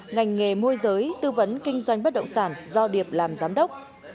ngành nghề môi giới tư vấn kinh doanh bất động sản do điệp làm giám đốc